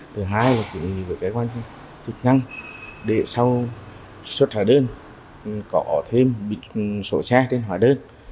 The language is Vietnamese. thứ hai là kỹ năng để sau xuất hóa đơn có thêm sổ xe trên hóa đơn